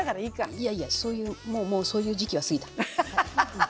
いやいやそういうもうもうそういう時期は過ぎた。